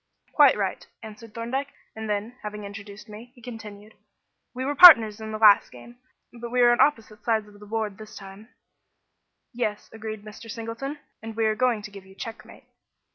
"Quite right," answered Thorndyke, and then, having introduced me, he continued: "We were partners in the last game, but we are on opposite sides of the board this time." "Yes," agreed Mr. Singleton; "and we are going to give you check mate."